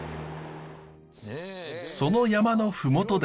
その山の麓で。